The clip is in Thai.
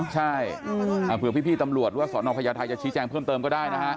ใช่อาจเผื่อพี่ตำรวจว่าสนพยาทัยจะชี้แจ้งเพิ่มเติมก็ได้